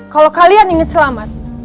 kalau kalian ingin selamat